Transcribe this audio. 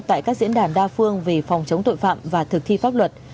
tại các diễn đàn đa phương về phòng chống tội phạm và thực thi pháp luật